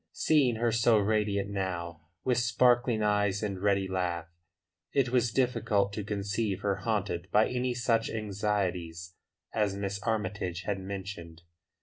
Seeing her so radiant now, with sparkling eyes and ready laugh, it was difficult to conceive her haunted by any such anxieties as Miss Armytage had mentioned.